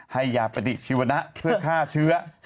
ให้ยาปฏิชีวนะเพื่อฆ่าเชื้อ